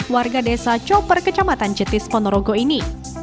warga desa coper kecamatan jetis ponorogo ini